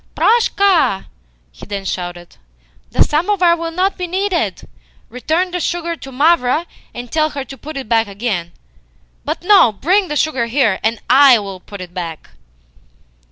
"Proshka!" he then shouted. "The samovar will not be needed. Return the sugar to Mavra, and tell her to put it back again. But no. Bring the sugar here, and I will put it back."